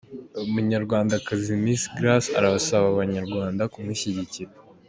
Umunyarwandakazi Miss Grace arasaba Abanyarwanda kumushyigikira.